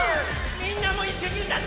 みんなもいっしょにうたって！